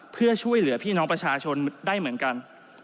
เพื่อช่วยเหลือพี่น้องประชาชนได้เหมือนกัน